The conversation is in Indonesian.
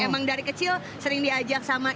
emang dari kecil sering diajak sama